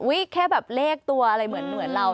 อุ๊ยแค่แบบเลขตัวอะไรเหมือนเหมือนเรา